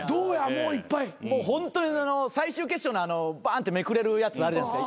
もうホントに最終決勝のバンってめくれるやつあるじゃないですか。